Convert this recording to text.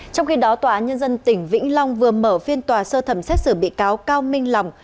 trong khi đó tòa án nhân dân tỉnh vĩnh long vừa mở phiên tòa sơ thẩm xét xử bị cáo cao minh lòng